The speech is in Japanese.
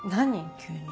急に。